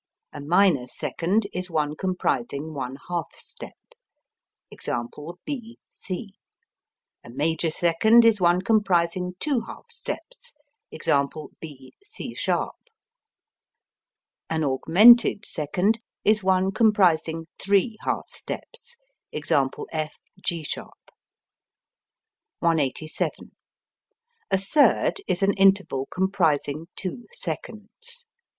A minor second is one comprising one half step. Ex. B C. A major second is one comprising two half steps. Ex. B C[sharp]. An augmented second is one comprising three half steps. Ex. F G[sharp]. 187. A third is an interval comprising two seconds.